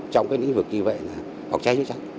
trong những vực như vậy là phòng cháy chữa cháy